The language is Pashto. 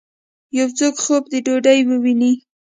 یو څوک خوب د ډوډۍ وویني